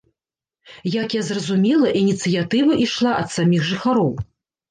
Як я зразумела, ініцыятыва ішла ад саміх жыхароў.